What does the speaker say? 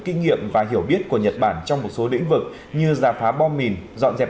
kinh nghiệm và hiểu biết của nhật bản trong một số lĩnh vực như giả phá bom mìn dọn dẹp